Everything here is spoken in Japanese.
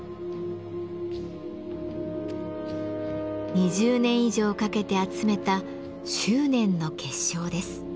２０年以上かけて集めた執念の結晶です。